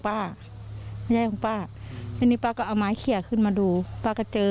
ไม่ใช่ของป้าทีนี้ป้าก็เอาไม้เขียขึ้นมาดูป้าก็เจอ